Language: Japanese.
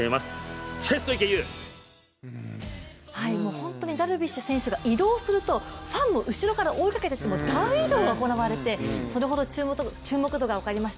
本当にダルビッシュ選手が移動するとファンも後ろから追いかけてきて大移動が行われてそれほど注目度が分かりました。